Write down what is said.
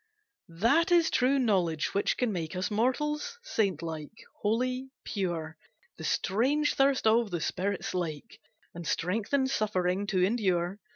"That is true knowledge which can make Us mortals, saintlike, holy, pure, The strange thirst of the spirit slake And strengthen suffering to endure.